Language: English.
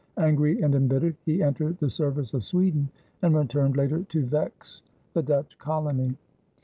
Angry and embittered, he entered the service of Sweden and returned later to vex the Dutch colony.